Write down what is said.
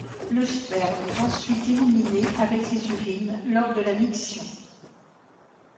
Le sperme est ensuite éliminé avec les urines lors de la miction.